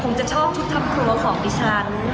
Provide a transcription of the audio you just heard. จะชอบชุดทำครัวของดิฉัน